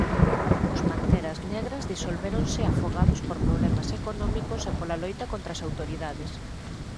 Os Panteras Negras disolvéronse afogados por problemas económicos e pola loita contra as autoridades.